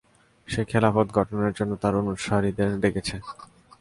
সে খিলাফত গঠনের জন্য তার অনুসারীদের ডেকেছে।